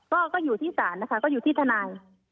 ก็อยู่ที่ศาลนะคะก็อยู่ที่ทนาย